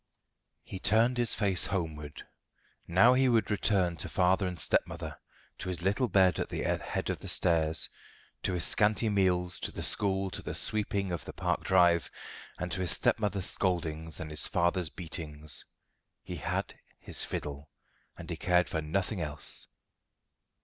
He turned his face homeward. Now he would return to father and stepmother, to his little bed at the head of the stairs, to his scanty meals, to the school, to the sweeping of the park drive, and to his stepmother's scoldings and his father's beatings. He had his fiddle, and he cared for nothing else.